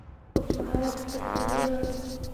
اوږدمهاله درد د فکر لوری اړوي.